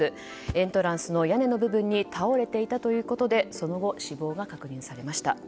エントランスの屋根の部分に倒れていたということでその後、死亡が確認されました。